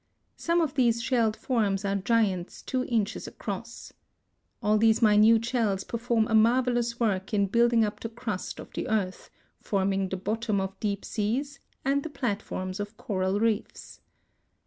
Some of these shelled forms are giants two inches across. All these minute shells perform a marvelous work in building up the crust of the earth, forming the bottom of deep seas and the platforms of coral reefs.